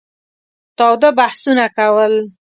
تاوده بحثونه کول.